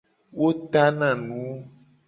Wo tana nu.